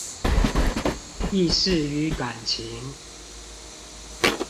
意識與感情